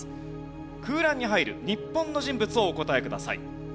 空欄に入る日本の人物をお答えください。